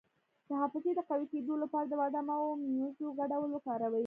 د حافظې د قوي کیدو لپاره د بادام او مویزو ګډول وکاروئ